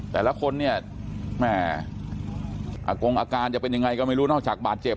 แต่ละคนเนี่ยแม่อากงอาการจะเป็นยังไงก็ไม่รู้นอกจากบาดเจ็บ